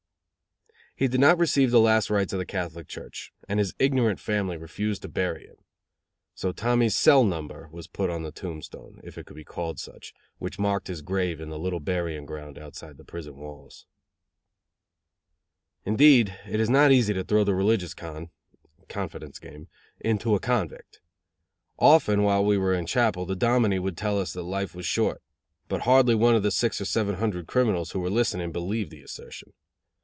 He did not receive the last rites of the Catholic Church, and his ignorant family refused to bury him. So Tommy's cell number was put on the tombstone, if it could be called such, which marked his grave in the little burying ground outside the prison walls. Indeed, it is not easy to throw the religious con (confidence game) into a convict. Often, while we were in chapel, the dominie would tell us that life was short; but hardly one of the six or seven hundred criminals who were listening believed the assertion.